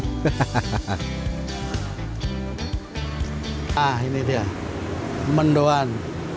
nah ini dia mendoan